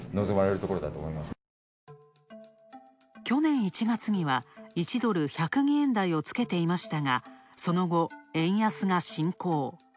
去年１月には１ドル１０２円台をつけていましたが、その後、円安が進行。